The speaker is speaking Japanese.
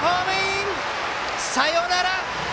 サヨナラ！